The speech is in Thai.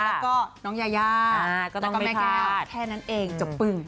แล้วก็น้องยายาแล้วก็แม่แก้วแค่นั้นเองจบปึ้ง